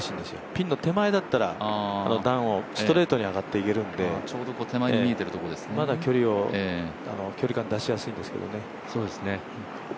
ピンの手前だったら段をストレートに上がっていけるんでまだ距離感、出しやすいんですけどね。